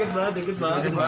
deket mbak deket mbak